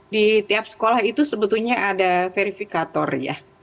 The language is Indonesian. di tiap sekolah itu sebetulnya ada verifikator ya